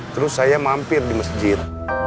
terus saya mampir di masjid